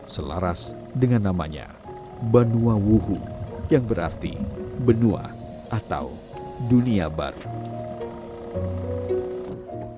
selaras dengan namanya banuawuhu yang berarti benua atau dunia baru